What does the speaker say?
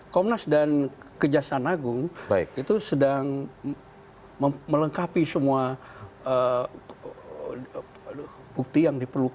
komnas dan kejaksaan agung itu sedang melengkapi semua bukti yang diperlukan